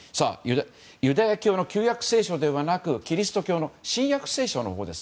ユダヤ教の旧約聖書ではなくキリスト教の新約聖書のほうです。